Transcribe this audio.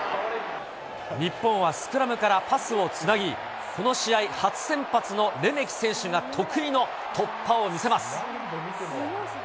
日本はスクラムからパスをつなぎ、この試合、初先発のレメキ選手が得意の突破を見せます。